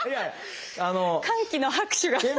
歓喜の拍手が。